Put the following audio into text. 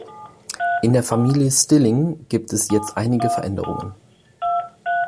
In der Familie Stilling gibt es jetzt einige Veränderungen.